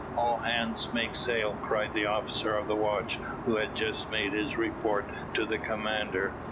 "All hands make sail," cried the officer of the watch, who had just made his report to the commander.